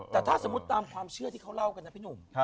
แต่ถ้าสมมุติตามความเชื่อที่เขาเล่ากันนะพี่หนุ่ม